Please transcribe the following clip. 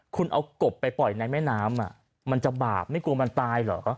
คุณเอากบไปปล่อยในแม่น้ำมันจะบาปไม่กลัวมันตายเหรอ